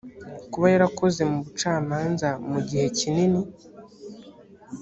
kuba yarakoze mu bucamanza mu gihe kinini